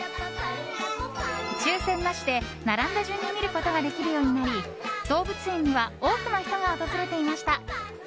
抽選なしで並んだ順に見ることができるようになり動物園には多くの人が訪れていました。